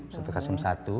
sultan qasim i